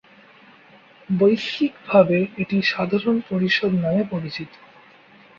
বৈশ্বিকভাবে এটি সাধারণ পরিষদ নামে পরিচিত।